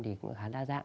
thì cũng khá đa dạng